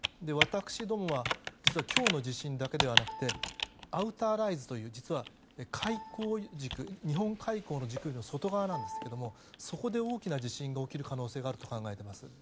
私どもは実は今日の地震だけではなくてアウターライズという実は海溝軸日本海溝の軸よりも外側ですがそこで大きな地震が起きる可能性があると考えています。